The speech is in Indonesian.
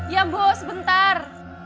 ya bos bentar